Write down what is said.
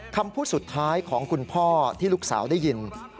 คำพูดสุดท้ายของคุณพ่อที่ลูกสาวได้ยิน